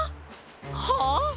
はあ！？